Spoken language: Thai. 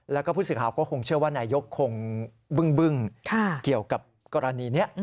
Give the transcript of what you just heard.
แล้วก็ผู้สื่อข่าวก็คงเชื่อว่านายกคงบึ้งเกี่ยวกับกรณีนี้